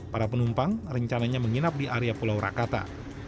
para penumpang rencananya menginap di area pulau rakata